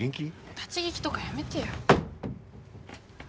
立ち聞きとかやめてよ。